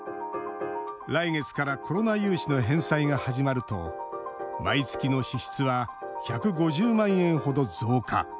来月からコロナ融資の返済が始まると毎月の支出は１５０万円ほど増加。